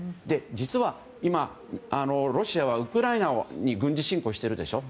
実は今、ロシアはウクライナに軍事侵攻してるでしょ。